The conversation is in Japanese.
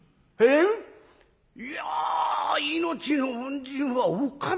いや命の恩人はおかみさんだ。